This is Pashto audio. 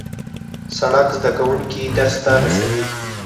سړک زدهکوونکي درس ته رسوي.